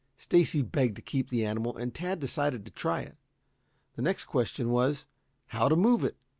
Stacy begged to keep the animal, and Tad decided to try it. The next question was, how to move it.